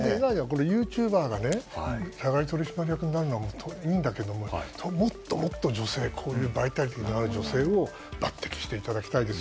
これ、ユーチューバーが社外取締役になるのはいいんだけどももっともっと、こういうバイタリティーのある女性を抜擢していただきたいです。